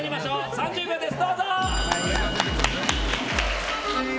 ３０秒です。